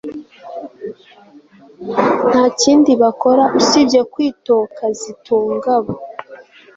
Nta kindi bakora usibye kwitokazitungaba